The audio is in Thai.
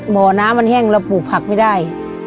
บ่อน้ำมันแห้งเราปลูกผักไม่ได้